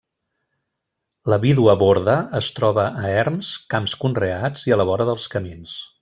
La vídua borda es troba a erms, camps conreats i a la vora dels camins.